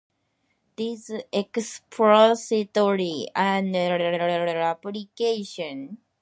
These expository and pedagogical essays presented the subject for broad appreciation.